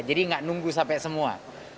jadi nggak nunggu sampai semua